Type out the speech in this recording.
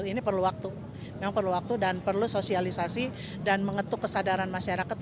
jadi memang perlu waktu dan perlu sosialisasi dan mengetuk kesadaran masyarakat